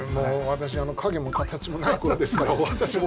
私、影も形もないころですから私も。